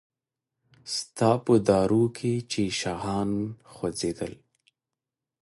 ستا په دارو کې چې شاهان خوځیدل